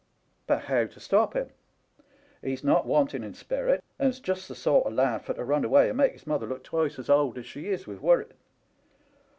But how to stop him ? He's not wanting in sperrit, and's just the sort of lad for to run away and make his mother look twice as old as she is with worrit.